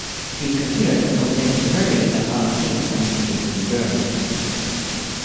He is considered a contemporary of Alan King and Milton Berle.